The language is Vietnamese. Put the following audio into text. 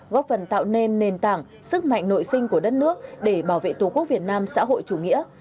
góp phần tạo nên nền tảng sức mạnh nội sinh của đất nước để bảo vệ tổ quốc việt nam xã hội chủ nghĩa